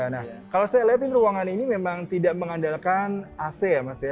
nah kalau saya lihatin ruangan ini memang tidak mengandalkan ac ya mas ya